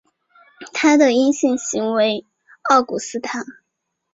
它的阴性型为奥古斯塔。